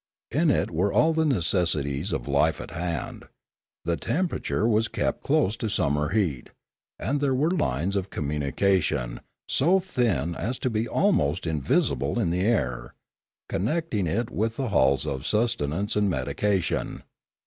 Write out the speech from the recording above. In it were all the necessities of life at hand ; the temperature was kept close to summer heat; and there were lines of communi cation, so thin as to be almost invisible in the air, con necting it with the halls of sustenance and medication.